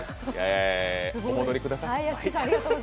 お戻りください。